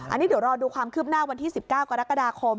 อันนี้เดี๋ยวรอดูความคืบหน้าวันที่๑๙กรกฎาคม